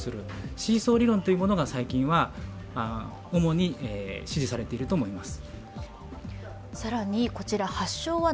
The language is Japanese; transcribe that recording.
シーソー理論というのが最近は主に支持されていると思います。